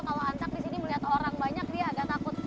kalau antak di sini melihat orang banyak dia agak takut